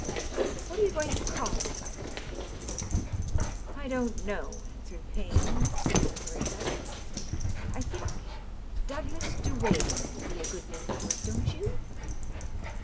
What are you going to call it, by the way ?"," I don't know," answered Payne, seeming to reflect. " I think nj ^ Douglas Duane ' would be a good name for it ; don't you